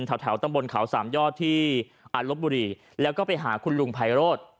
ท่าวตำบลขาวสามยอดที่อัลลบุรีแล้วก็ไปหาคุณลุงไพเราต